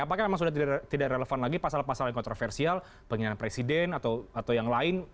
apakah memang sudah tidak relevan lagi pasal pasal yang kontroversial pengkhianat presiden atau yang lain